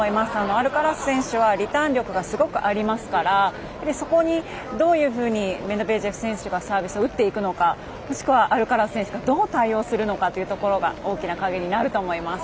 アルカラス選手はリターン力がすごくありますからそこにどういうふうにメドベージェフ選手がサービスを打っていくのかもしくは、アルカラス選手がどう対応するのかというところが大きな鍵になると思います。